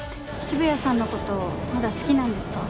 渋谷さんの事まだ好きなんですか？